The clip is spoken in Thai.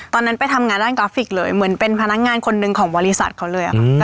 ตอนนั้นไปทำงานด้านกราฟิกเลยเหมือนเป็นพนักงานคนหนึ่งของบริษัทเขาเลยค่ะ